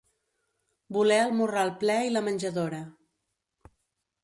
Voler el morral ple i la menjadora.